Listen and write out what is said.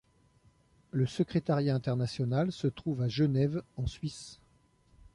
Le secrétariat international se trouve à Genève en Suisse.